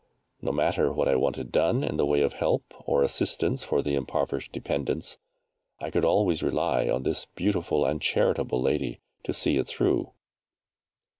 No matter what I wanted done in the way of help or assistance for the impoverished dependents, I could always rely on this beautiful and charitable lady to see it through.